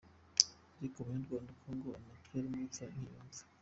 Ariko banyarwanda, koko ngo amatwi arimo urupfu ntiyumva!!!